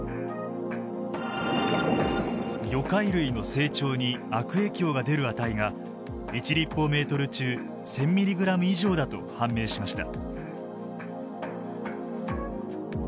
魚介類の成長に悪影響が出る値が１立方メートル中１，０００ミリグラム以上だと判明しました。